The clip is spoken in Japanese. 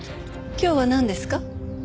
今日はなんですか？